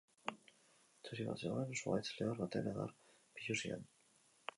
Txori bat zegoen zuhaitz lehor baten adar biluzian.